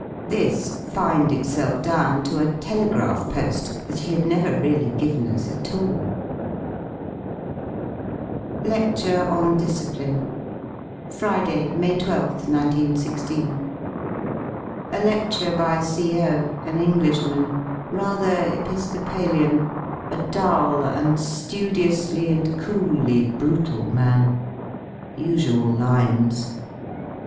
This lined itself down to a telegraph pob^ that he had never really given us at all ! LECTURE ON DISCIPLINE Friday y May I2th, 191 6. A ledure by CO., an Englishman, rather episcopalian; a dull and ^udiously and coolly brutal man. Usual lines!